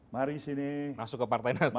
mari sini masuk ke partai nasdem